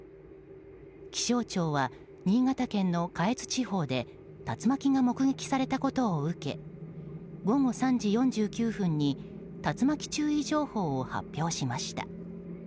気象庁は新潟県の下越地方で竜巻が目撃されたことを受け午後３時４９分に竜巻注意情報を発表しました。